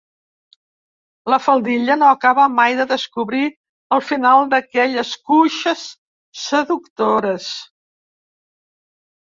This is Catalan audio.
La faldilla no acaba mai de descobrir el final d'aquelles cuixes seductores.